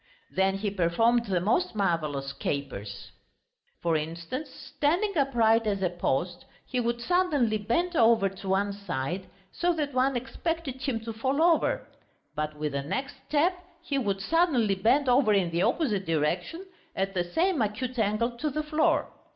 Then he performed the most marvellous capers. For instance, standing upright as a post, he would suddenly bend over to one side, so that one expected him to fall over; but with the next step he would suddenly bend over in the opposite direction at the same acute angle to the floor.